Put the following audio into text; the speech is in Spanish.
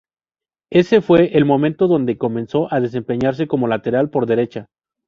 Ese fue el momento donde comenzó a desempeñarse como lateral por derecha.